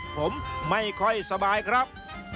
ผมไม่ค่อยสบายครับ